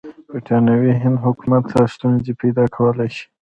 برټانوي هند حکومت ته ستونزې پیدا کولای شي.